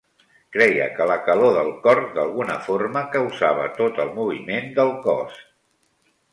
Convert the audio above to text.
Creia que la calor del cor d'alguna forma causava tot el moviment del cos.